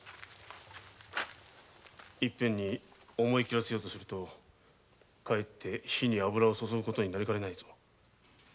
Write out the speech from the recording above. いっぺんに思い切らせようとするとかえって火に油をそそぐ事にもなりかねんぞ。